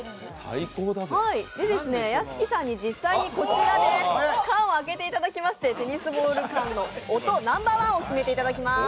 屋敷さんに実際にこちらで缶を開けていただきましてテニスボール缶の音ナンバー１を決めていただきます。